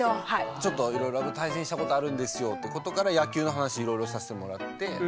ちょっといろいろ対戦したことあるんですよってことから野球の話いろいろさせてもらって。